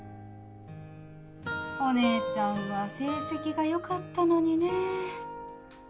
お姉ちゃんは成績がよかったのにねぇ。